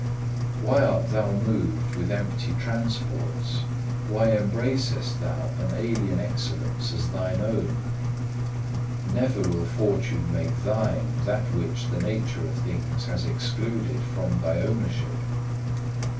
Why art thou moved with empty transports? why embracest thou an alien excellence as thine own? Never will fortune make thine that which the nature of things has excluded from thy ownership.